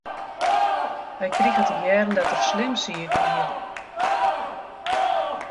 Hy krige te hearren dat er slim siik wie.